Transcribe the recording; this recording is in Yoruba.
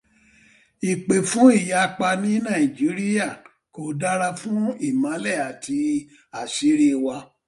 Ìpè fún ìyapa ní Nàíjíríà kò dára fún ìmọ́lẹ̀ àti àṣírí wa.